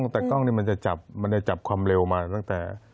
แต่กล้องนี้มันจะจับความเร็วมาตั้งแต่